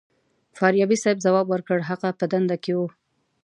فاریابي صیب ځواب ورکړ هغه په دنده کې و.